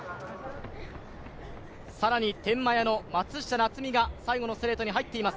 更に天満屋の松下菜摘が最後のストレートに入っています。